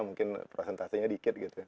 mungkin prosentasenya dikit gitu ya